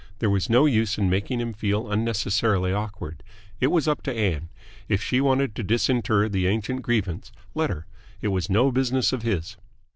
There was no use in making him feel unnecessarily awkward. It was up to Ann. If she wanted to disinter the ancient grievance, let her. It was no business of his.